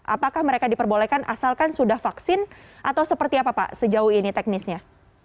apakah mereka diperbolehkan asalkan sudah vaksin atau seperti apa pak sejauh ini teknisnya